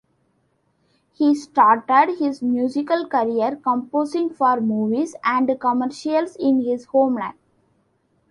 He started his musical career composing for movies and commercials in his homeland.